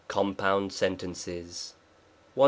COMPOUND SENTENCES. §131.